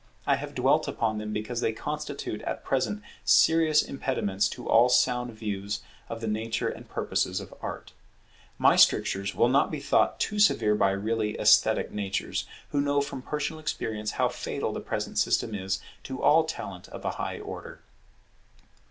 I have dwelt upon them because they constitute at present serious impediments to all sound views of the nature and purposes of Art. My strictures will not be thought too severe by really esthetic natures, who know from personal experience how fatal the present system is to all talent of a high order.